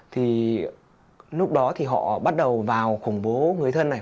thì lúc đó thì họ bắt đầu vào khủng bố người thân này